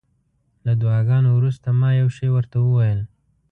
له دعاګانو وروسته ما یو شی ورته وویل.